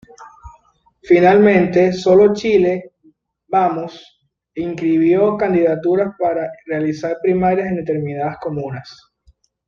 Finalmente, sólo Chile Vamos inscribió candidaturas para realizar primarias en determinadas comunas.